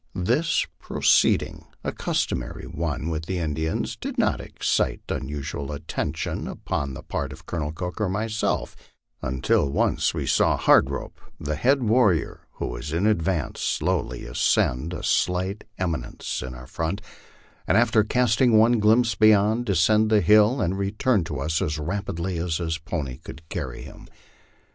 This proceeding, n, customary one with Indians, did not excite un usual attention upon the part of Colonel Cook and myself, until once we saw Hard Rope, the head warrior, who was in advance, slowly ascend a slight em inence in our front, and, after castingone glimpse beyond, descend the hill and return to us as rapidly as his pony could carry him.